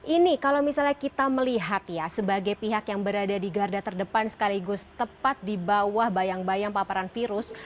ini kalau misalnya kita melihat ya sebagai pihak yang berada di garda terdepan sekaligus tepat di bawah bayang bayang paparan virus